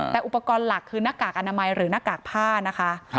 แต่อุปกรณ์หลักคือหน้ากากอนามัยหรือหน้ากากผ้านะคะ